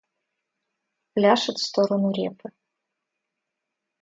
Пляшет в сторону репы.